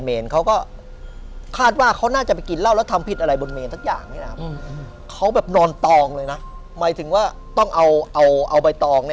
ทำด้วยความทรัพย์รวมอะไรแบบ